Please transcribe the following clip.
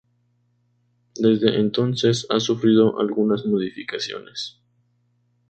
Desde entonces ha sufrido algunas modificaciones.